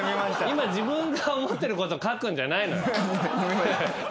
今自分が思ってること書くんじゃないのよ。